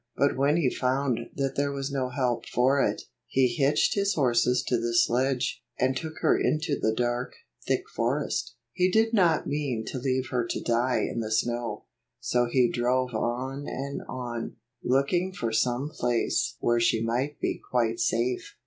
But when he found that there was no help for it, he hitched his horses to the sledge, and took her into the dark, thick forest. He did not mean to leave her to die in the snow, so he drove on and on, looking for some place where she might be quite safe.